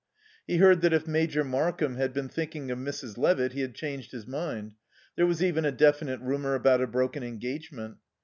He heard that if Major Markham had been thinking of Mrs. Levitt, he had changed his mind; there was even a definite rumour about a broken engagement.